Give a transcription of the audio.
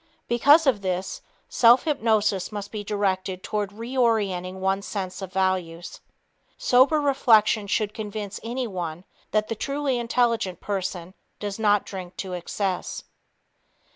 Because of this, self hypnosis must be directed toward reorienting one's sense of values. Sober reflection should convince anyone that the truly intelligent person does not drink to excess.